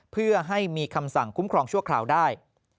เพื่อให้มีคำสั่งคุ้มครองชั่วคราวได้